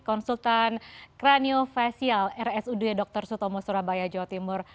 konsultan kraniofasial rsud dr sutomo surabaya jawa timur